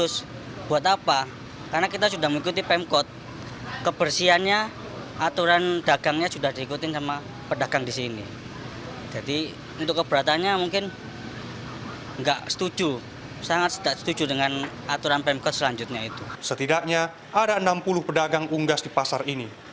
setidaknya ada enam puluh pedagang unggas di pasar ini